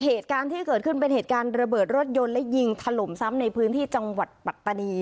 เหตุการณ์ที่เกิดขึ้นเป็นเหตุการณ์ระเบิดรถยนต์และยิงถล่มซ้ำในพื้นที่จังหวัดปัตตานี